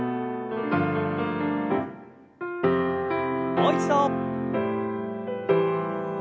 もう一度。